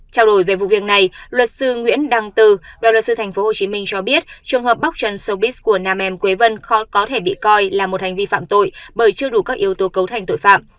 trao đổi về vụ việc này luật sư nguyễn đăng tư đoàn luật sư tp hcm cho biết trường hợp bóc trần sobis của nam em quế vân khó có thể bị coi là một hành vi phạm tội bởi chưa đủ các yếu tố cấu thành tội phạm